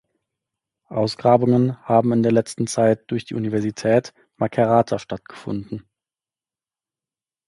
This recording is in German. Ausgrabungen haben in der letzten Zeit durch die Universität Macerata stattgefunden.